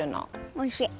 おいしい！